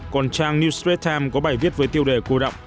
còn trang new street time có bài viết với tiêu đề cô đọng